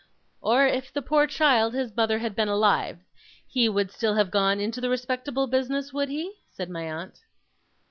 'Or if the poor child, his mother, had been alive, he would still have gone into the respectable business, would he?' said my aunt.